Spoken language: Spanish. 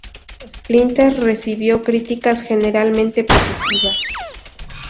Splinter recibió críticas generalmente positivas.